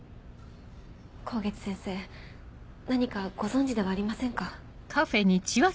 香月先生何かご存じではありませんか？